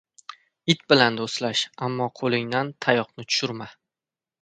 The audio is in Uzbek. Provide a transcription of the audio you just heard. • It bilan do‘stlash, ammo qo‘lingdan tayoqni tushirma.